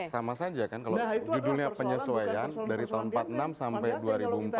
sama saja kan kalau judulnya penyesuaian dari tahun seribu sembilan ratus empat puluh enam sampai dua ribu empat belas